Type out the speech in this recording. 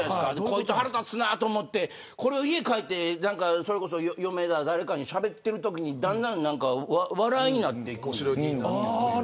こいつ腹立つなと思ってこれを家帰って嫁だ誰かにしゃべっているときにだんだん笑いになっていくんですよ。